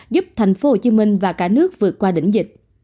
giúp thành phố hồ chí minh và cả nước vượt qua đỉnh dịch